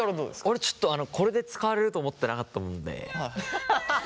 俺ちょっとこれで使われると思ってなかったもんで。